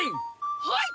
はい！